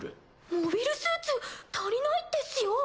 モビルスーツ足りないですよ？